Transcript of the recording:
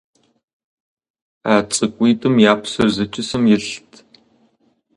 А цӏыкӏуитӏым я псэр зы чысэм илът.